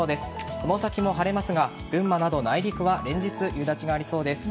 この先も晴れますが群馬など内陸は連日夕立がありそうです。